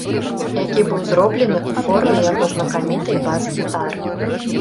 Які быў зроблены ў форме яго знакамітай бас-гітары!